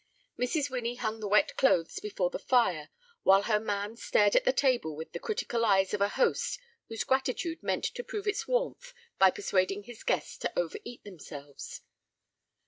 Mrs. Winnie hung the wet clothes before the fire, while her man stared at the table with the critical eyes of a host whose gratitude meant to prove its warmth by persuading his guests to overeat themselves.